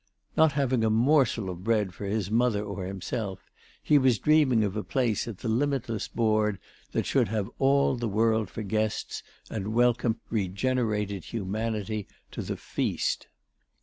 Not having a morsel of bread for his mother or himself, he was dreaming of a place at the limitless board that should have all the world for guests and welcome regenerated humanity to the feast.